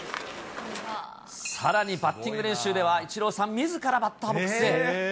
さらにバッティング練習では、イチローさんみずからバッターボックスへ。